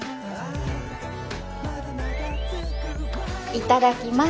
いただきます。